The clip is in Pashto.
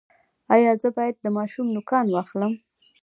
ایا زه باید د ماشوم نوکان واخلم؟